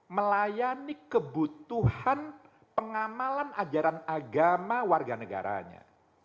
melayani kebutuhan pengamalan ajaran agama warga negaranya